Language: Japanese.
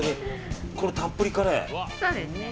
たっぷりカレー？